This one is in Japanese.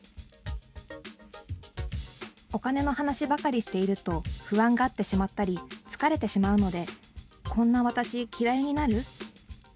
お金の話ばかりしていると、不安がってしまったり、疲れてしまうので、こんな私嫌いになる？